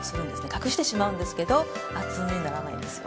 隠してしまうんですけど厚塗りにならないんですよ。